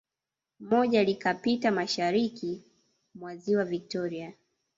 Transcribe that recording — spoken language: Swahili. Moja likapita mashariki mwa Ziwa Victoria